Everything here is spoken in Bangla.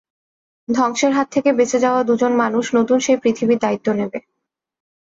ধ্বংসের হাত থেকে বেঁচে যাওয়া দুজন মানুষ নতুন সেই পৃথিবীর দায়িত্ব নেবে।